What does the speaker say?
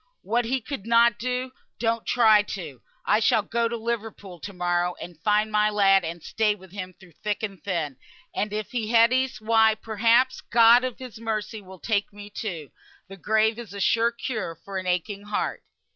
What he could na do, don't you try. I shall go to Liverpool to morrow, and find my lad, and stay with him through thick and thin; and if he dies, why, perhaps, God of His mercy will take me too. The grave is a sure cure for an aching heart."